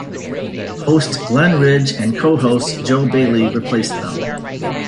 Host Glenn Ridge and co-host Jo Bailey replaced them.